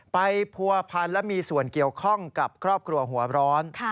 ผัวพันธ์และมีส่วนเกี่ยวข้องกับครอบครัวหัวร้อน